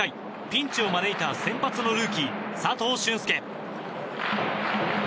ピンチを招いた先発のルーキー佐藤隼輔。